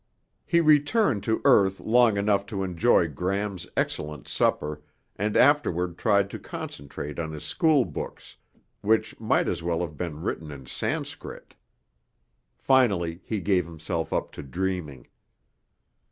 He returned to earth long enough to enjoy Gram's excellent supper and afterward tried to concentrate on his school books, which might as well have been written in Sanskrit. Finally he gave himself up to dreaming.